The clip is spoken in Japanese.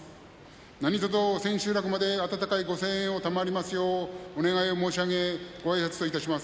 何とぞ、千秋楽まで温かいご声援を賜りますようお願い申し上げごあいさつといたします。